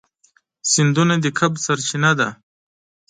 سیندونه د کب سرچینه ده.